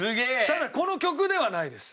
ただこの曲ではないです。